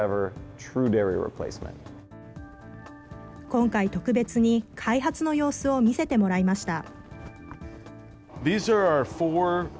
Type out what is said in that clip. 今回、特別に開発の様子を見せてもらいました。